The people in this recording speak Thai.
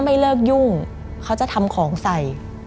มันกลายเป็นรูปของคนที่กำลังขโมยคิ้วแล้วก็ร้องไห้อยู่